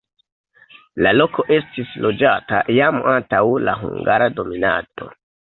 La loko estis loĝata jam antaŭ la hungara dominado.